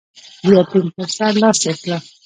د يتيم پر سر لاس تېر کړه.